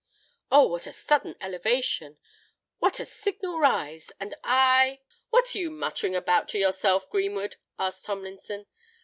"Oh! what a sudden elevation—what a signal rise! And I——" "What are you muttering about to yourself, Greenwood?" asked Tomlinson.